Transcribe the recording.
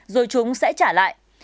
rồi chúng sẽ trả lại